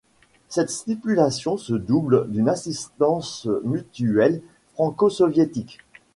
Cette stipulation se double d’une assistance mutuelle franco-soviétique.